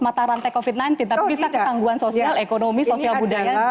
mata rantai covid sembilan belas tetapi bisa ketangguhan sosial ekonomi sosial budaya dan lain sebagainya